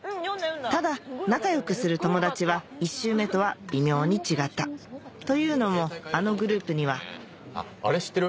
ただ仲良くする友達は１周目とは微妙に違ったというのもあのグループにはあれ知ってる？